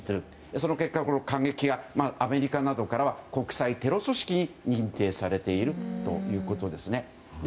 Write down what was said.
その結果アメリカなどからは国際テロ組織に認定されているということです。